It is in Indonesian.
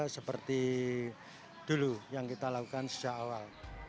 seperti dulu yang kita lakukan sejak awal